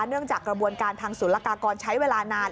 จากกระบวนการทางศูนย์ละกากรใช้เวลานาน